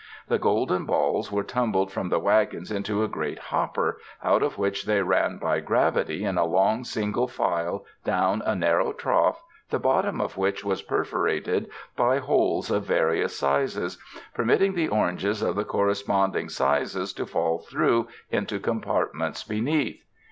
The golden balls were tumbled from the wagons into a great hopper, out of which they ran by gravity in a long single file down a narrow trough the bottom of which was perforated by holes of vari ous sizes, permitting the oranges of the correspond ing sizes to fall through into compartments beneath.